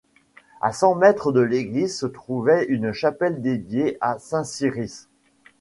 À cent mètres de l’église se trouvait une chapelle dédiée à saint Cirice.